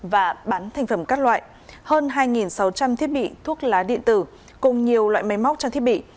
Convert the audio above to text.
và bán thành phẩm các loại hơn hai sáu trăm linh thiết bị thuốc lá điện tử cùng nhiều loại máy móc trang thiết bị